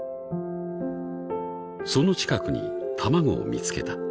［その近くに卵を見つけた］